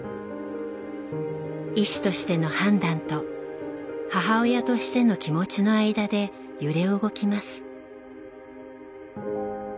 医師としての判断と母親としての気持ちの間で揺れ動きます。